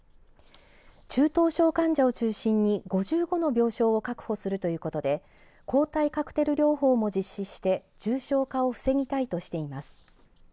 中等症患者を中心に５５の病床を確保するということで抗体カクテル療法も実施して重症化を防ぎたいとしています。